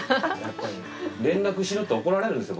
連絡しろって怒られるんですよ